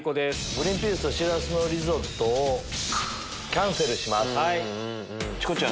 グリンピースとしらすのリゾットキャンセルします。